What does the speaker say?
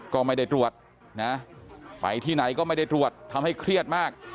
ก็ไม่ได้ตรวจนะไปที่ไหนก็ไม่ได้ตรวจทำให้เครียดมาก